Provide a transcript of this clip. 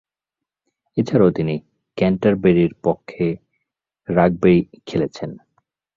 এছাড়াও তিনি ক্যান্টারবারির পক্ষে রাগবি খেলেছেন।